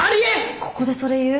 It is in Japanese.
ここでそれ言う？